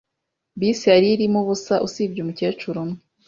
Bisi yari irimo ubusa usibye umukecuru umwe.